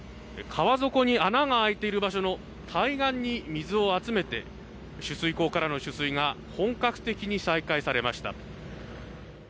川底に穴があいている場所の対岸に水を集めて取水口からの取水が本格的に再開されました。